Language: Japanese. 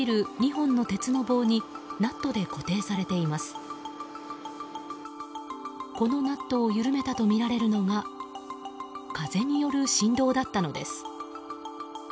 このナットを緩めたとみられるのが風による振動だったのです。